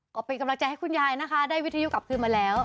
ก็เป็นกำลังใจให้คุณยายนะคะได้วิทยุกลับคืนมาแล้ว